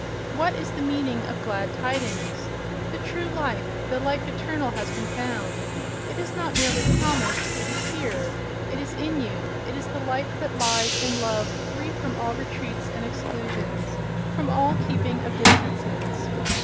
What is the meaning of "glad tidings"?—The true life, the life eternal has been found—it is not merely promised, it is here, it is in you; it is the life that lies in love free from all retreats and exclusions, from all keeping of distances.